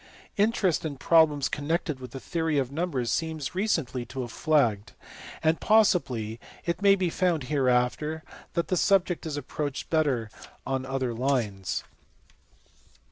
Interest in problems connected with the theory of numbers seems recently to have flagged, and possibly it may be found hereafter that the subject is approached better on other lines.